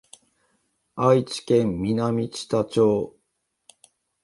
愛知県南知多町